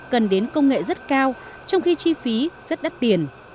cần đến công nghệ rất cao trong khi chi phí rất đắt tiền